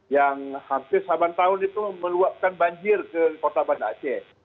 yang hampir sama tahun itu meluapkan banjir ke kota banda aceh